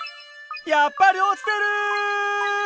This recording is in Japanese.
やっぱり落ちてる！